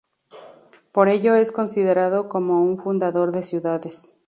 Por ello es considerado como un fundador de ciudades.